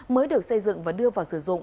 mới được xây dựng và đưa vào sử dụng